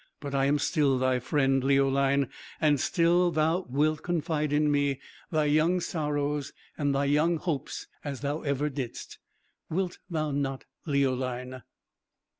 But I am still thy friend, Leoline, and still thou wilt confide in me thy young sorrows and thy young hopes as thou ever didst. Wilt thou not, Leoline?"